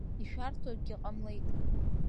Ишәарҭоу акгьы ҟамлеит.